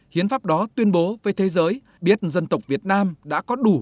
hiến pháp đó tuyên bố với thế giới biết dân tộc việt nam đã có đủ